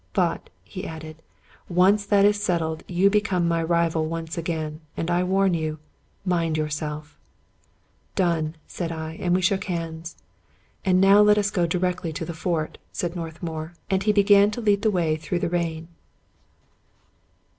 But," he added, " once that is set tled, you become my rival once again, and I warn you — mind yourself." " Done !" said I ; and we shook hands. "And now let us go directly to the fort," said North mour ; and be began to lead the way through the rain.